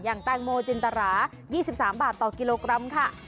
แตงโมจินตรา๒๓บาทต่อกิโลกรัมค่ะ